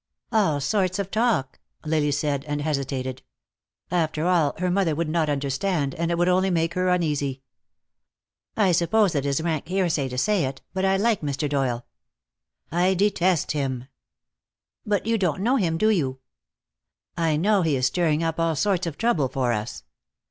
"All sorts of talk," Lily said, and hesitated. After all, her mother would not understand, and it would only make her uneasy. "I suppose it is rank hearsay to say it, but I like Mr. Doyle." "I detest him." "But you don't know him, do you?" "I know he is stirring up all sorts of trouble for us.